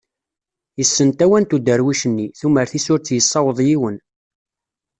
Yesssen tawant uderwic nni tumert-is ur tt-yessaweḍ yiwen.